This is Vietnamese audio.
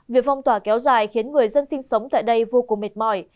việc phong tỏa kéo dài khiến người dân sinh sống tại đây vô cùng mệt mỏi